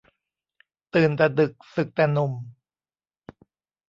ตื่นแต่ดึก สึกแต่หนุ่ม